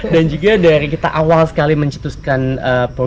dan juga dari kita awal sekali mencetuskan program manajemen sampah terentering